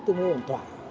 đối với các lỗ hổng tỏa